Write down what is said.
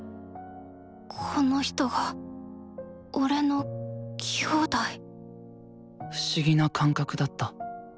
この人が俺のきょうだい不思議な感覚だった。